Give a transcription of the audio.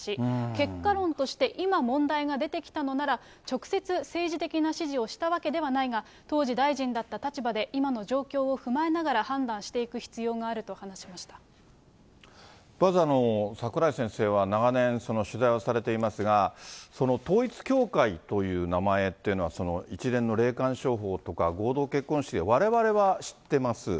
結果論として、今問題が出てきたのなら、直接政治的な指示をしたわけではないが、当時、大臣だった立場で今の状況を踏まえながら判断していく必要があるまず、櫻井先生は長年、取材をされていますが、統一教会という名前っていうのは、一連の霊感商法とか合同結婚式、われわれは知ってます。